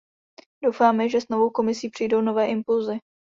Doufáme, že s novou Komisí přijdou nové impulzy.